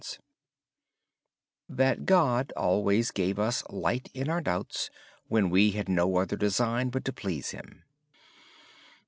He said that God always gave us light in our doubts, when we had no other design but to please Him.